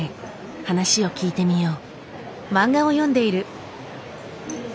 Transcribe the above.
話を聞いてみよう。